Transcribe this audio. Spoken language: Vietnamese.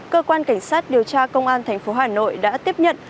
cơ quan cảnh sát điều tra công an tp hà nội đã tiếp nhận